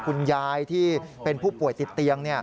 คุณยายที่เป็นผู้ป่วยติดเตียง